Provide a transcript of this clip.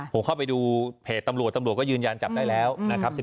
ผมเข้าไปดูเพจตำรวจตำรวจก็ยืนยันจับได้แล้วนะครับ